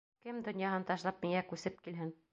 Кем донъяһын ташлап миңә күсеп килһен?